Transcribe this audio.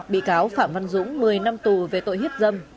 bị cáo phạm văn dũng một mươi năm tù về tội hiếp dâm